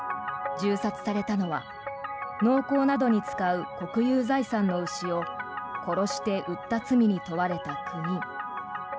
銃殺されたのは農耕などに使う国有財産の牛を殺して売った罪に問われた９人。